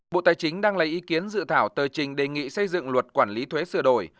bộ tài chính đang lấy ý kiến dự thảo tờ trình đề nghị xây dựng luật quản lý thuế sửa đổi